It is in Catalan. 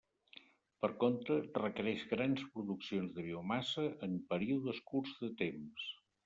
Per contra, requereix grans produccions de biomassa en períodes curts de temps.